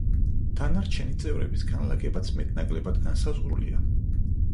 დანარჩენი წევრების განლაგებაც მეტ-ნაკლებად განსაზღვრულია.